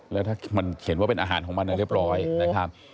แล้วถ้ามันเขียนว่าเป็นอาหารของมันเรียบร้อยนะครับ